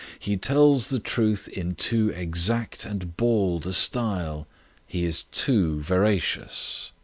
He tells the truth in too exact and bald a style; he is too veracious."